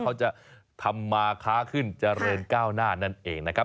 เขาจะทำมาค้าขึ้นเจริญก้าวหน้านั่นเองนะครับ